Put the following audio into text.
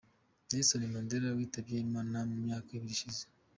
Nelson Mandela witabye imana mu myaka ibiri ishize.